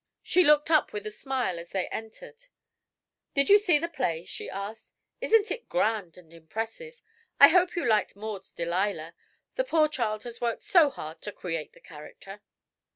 She looked up with a smile as they entered. "Did you see the play?" she asked. "And isn't it grand and impressive? I hope you liked Maud's 'Delilah.' The poor child has worked so hard to create the character."